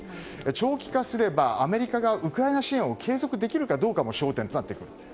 長期化すればアメリカがウクライナ支援を継続できるかどうかも焦点となってくる。